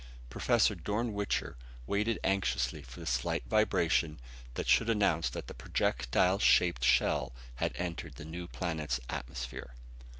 Professor Dorn Wichter waited anxiously for the slight vibration that should announce that the projectile shaped shell had entered the new planet's atmosphere.